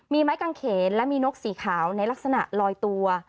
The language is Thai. มีไม้กางเขนและมีนกสีขาวในลักษณะลอยตัว